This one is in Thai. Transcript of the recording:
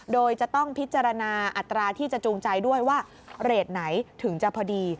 โดยจะต้องพิจารณาอัตราที่จะจูงใจด้วยว่าเรทไหนถึงจะพอดี